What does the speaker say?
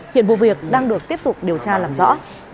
hiện vụ việc đang được tiếp tục điều tra làm rõ